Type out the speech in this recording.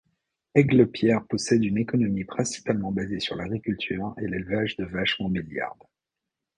Aiglepierre possède une économie principalement basée sur l'agriculture et l'élevage de vaches montbéliardes.